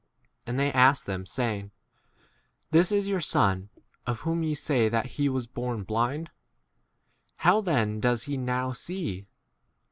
And they asked them, saying, This is your son, of whom ye* say that he was born blind : how then does he now 20 see